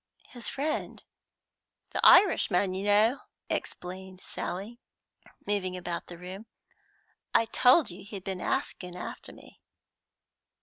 "His friend?" "The Irishman, you know," explained Sally, moving about the room. "I told you he'd been asking after me."